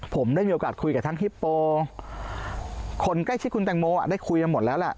ผมได้มีโอกาสคุยกับทั้งฮิปโปคนใกล้ชิดคุณแตงโมได้คุยกันหมดแล้วแหละ